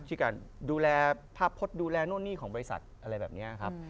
ที่การดูแลภาพพจน์ดูแลนู่นนี่ของบริษัทอะไรแบบนี้ครับ